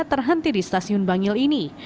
terhenti di stasiun bangil ini